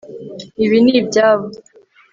ibi ni ibyabo